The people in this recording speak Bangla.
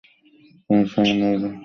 তিনি স্বামীর দিব্যদর্শন পান।